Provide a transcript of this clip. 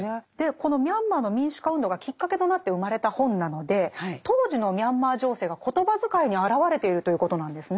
このミャンマーの民主化運動がきっかけとなって生まれた本なので当時のミャンマー情勢が言葉遣いに表れているということなんですね。